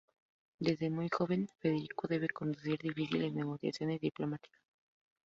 Desde muy joven Federico debe conducir difíciles negociaciones diplomáticas.